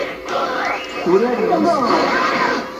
Uraren yes-s.